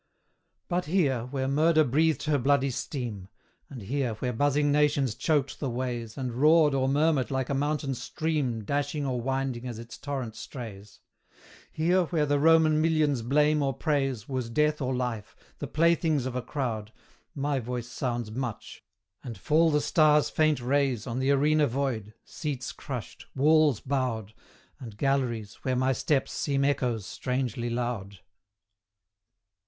But here, where murder breathed her bloody steam; And here, where buzzing nations choked the ways, And roared or murmured like a mountain stream Dashing or winding as its torrent strays; Here, where the Roman million's blame or praise Was death or life, the playthings of a crowd, My voice sounds much and fall the stars' faint rays On the arena void seats crushed, walls bowed, And galleries, where my steps seem echoes strangely loud.